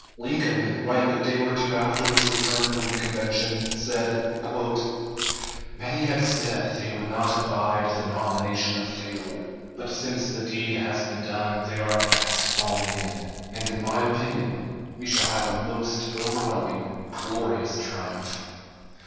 Lincoln, writing a day or two after his return from the convention, said: "Many had said they would not abide the nomination of Taylor; but since the deed has been done they are fast falling in, and in my opinion we shall have a most overwhelming, glorious triumph.